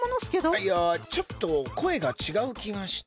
いやちょっとこえがちがうきがして。